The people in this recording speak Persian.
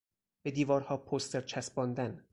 به دیوارها پوستر چسباندن